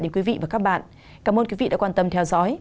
đến quý vị và các bạn cảm ơn quý vị đã quan tâm theo dõi